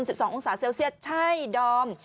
ดอยอินทานนท์๑๒องศาเซลเซียสใช่ดอม